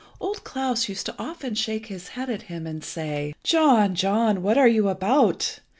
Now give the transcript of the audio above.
Old Klas used often to shake his head at him, and say "John! John! what are you about?